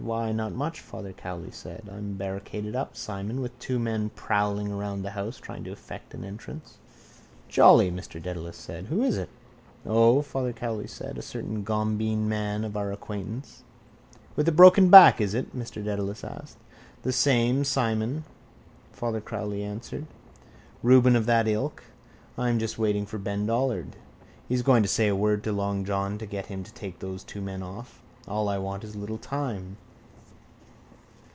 —Why then not much, Father Cowley said. I'm barricaded up, Simon, with two men prowling around the house trying to effect an entrance. —Jolly, Mr Dedalus said. Who is it? —O, Father Cowley said. A certain gombeen man of our acquaintance. —With a broken back, is it? Mr Dedalus asked. —The same, Simon, Father Cowley answered. Reuben of that ilk. I'm just waiting for Ben Dollard. He's going to say a word to long John to get him to take those two men off. All I want is a little time.